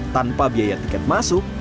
tanpa biaya tiket masuk